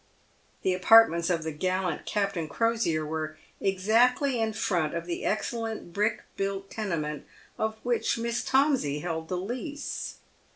The apartments of the gallant Captain Crosier were exactly in front of the excellent hrick huilt tenement of which Miss Tomsey held the lease.